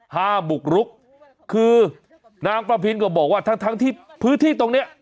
ห้ามบุกรุกคือนางประพินก็บอกว่าทั้งทั้งที่พื้นที่ตรงเนี้ย